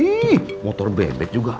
ih motor bebek juga